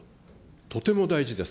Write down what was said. とても大事です。